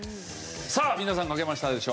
さあ皆さん書けましたでしょうか。